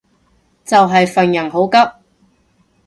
就係份人好急